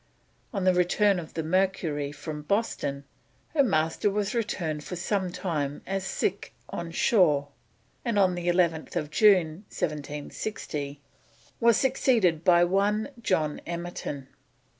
On the return of the Mercury from Boston her Master was returned for some time as "sick on shore," and on 11th June 1760 was superseded by one John Emerton.